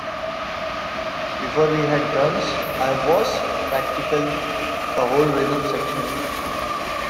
Before we had drums, I was practically the whole rhythm section.